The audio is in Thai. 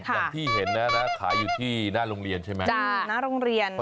ก็อย่างที่เห็นนะครับขายอยู่ที่หน้าโรงเรียนใช่ไหม